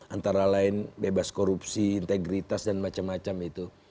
antara lain bebas korupsi integritas dan macam macam itu